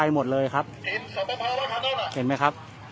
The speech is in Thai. มันก็ไม่ต่างจากที่นี่นะครับ